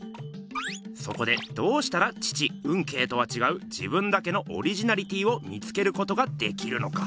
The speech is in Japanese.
そこでどうしたら父運慶とはちがう自分だけのオリジナリティーを見つけることができるのか。